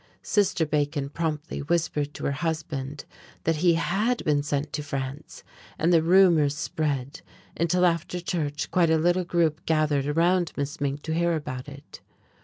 Sister Bacon promptly whispered to her husband that he had been sent to France, and the rumor spread until after church quite a little group gathered around Miss Mink to hear about it.